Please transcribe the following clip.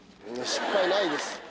失敗ないです。